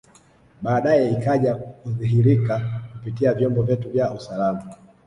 Baadae ikaja kudhihirika kupitia vyombo vyetu vya usalama